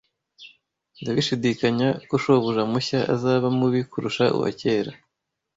Ndashidikanya ko shobuja mushya azaba mubi kurusha uwa kera.